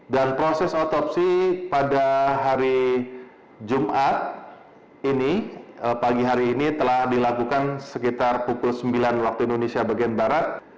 dan proses otopsi pada hari jumat ini pagi hari ini telah dilakukan sekitar pukul sembilan waktu indonesia bagian barat